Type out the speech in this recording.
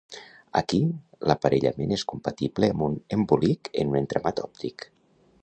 Aquí, l'aparellament és compatible amb un embolic en un entramat òptic.